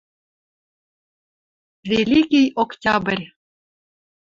Великий Октябрь